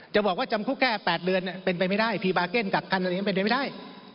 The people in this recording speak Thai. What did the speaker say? จะบอกว่ามันจำคุกแค่แปดเดือนเป็นไปไม่ได้พีบาเกิ้ลกลับกันกันไม่ได้